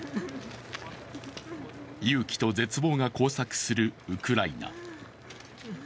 勇気と絶望が交錯するウクライナ。